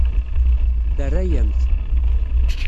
Terra-yam-t.